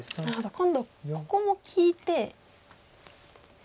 今度ここも利いて。